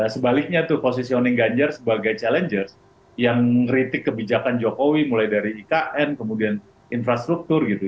sebaliknya tuh positioning ganjar sebagai challenger yang kritik kebijakan jokowi mulai dari ikn kemudian infrastruktur gitu